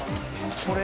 これ。